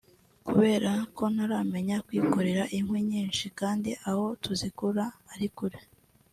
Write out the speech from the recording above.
Kubera ko ntaramenya kwikorera inkwi nyinshi kandi aho tuzikura ari kure